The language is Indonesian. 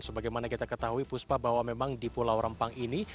sebagaimana kita ketahui puspa bahwa memang di pulau rempang ini